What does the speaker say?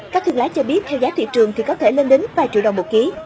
các thương lái cho biết theo giá thị trường thì có thể lên đến ba triệu đồng một ký